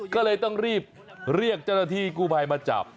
ก็เลยต้องรีบเรียกเจ้าหน้าที่กู้ภัยมาจับ